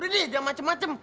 nih jangan macem macem